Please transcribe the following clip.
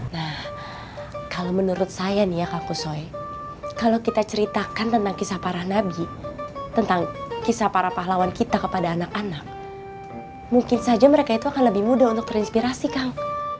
nah kalau menurut saya nih ya kak kusoi kalau kita ceritakan tentang kisah para nabi tentang kisah para pahlawan kita kepada anak anak mungkin saja mereka itu akan lebih mudah untuk terinspirasi kang